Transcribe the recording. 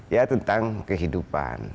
ya tentang kehidupan